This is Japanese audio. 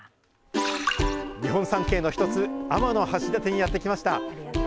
日本三景の一つ、天橋立にやって来ました。